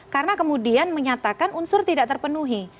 karena kemudian menyatakan unsur tidak terpenuhi